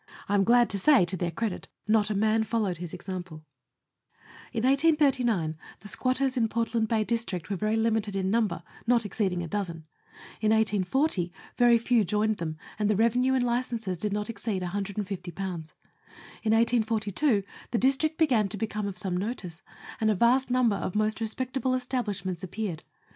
I am glad to say, to their credit, not a man followed his example. In 1839 the squatters in Portland Bay District were very limited in number, not exceeding a dozen. In 1840 very few joined them, and the revenue in licenses did not exceed 150. In 1842 the district began to become of some notice, and a vast number of most respectable establishments appeared.